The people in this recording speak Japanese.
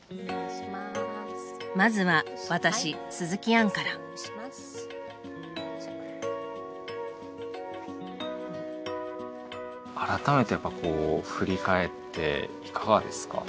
まずは私鈴木杏から改めてやっぱこう振り返っていかがですか？